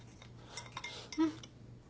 うん。